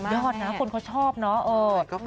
ยอดนะคนเขาชอบเนาะ